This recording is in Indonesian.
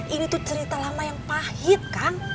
ini tuh cerita lama yang pahit kan